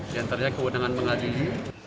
yang antaranya kewenangan pengadilan